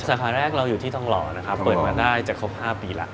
สาขาแรกเราอยู่ที่ทองหล่อนะครับเปิดมาได้จะครบ๕ปีแล้ว